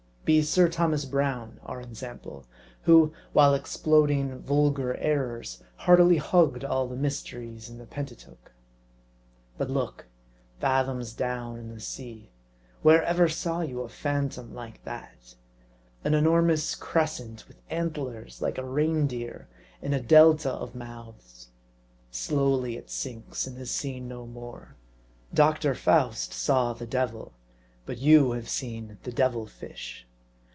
Be Sir Thomas Brown our ensample ; who, while exploding " Vulgar Errors," heart ily hugged all the mysteries in the Pentateuch. But look ! fathoms down in. the sea ; where ever saw you a phantom like that ? An enormous crescent with antlers like a reindeer, and a Delta of mouths. Slowly it sinks, and is seen no more. Doctor Faust saw the devil ; but you have seen the " Devil Fish."